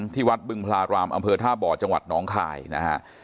ที่วัดบึงพลารามอำเภอท่าบ่อจังหวัดน้องคายนะฮะ